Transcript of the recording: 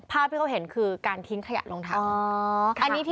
ภาพที่เขาเห็นคือการทิ้งขยะรองเท้า